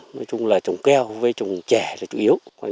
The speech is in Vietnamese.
nói chung là trồng keo với trồng chè là chủ yếu